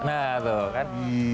nah tuh kan